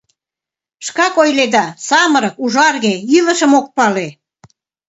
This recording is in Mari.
Шкак ойледа: самырык, ужарге, илышым ок пале.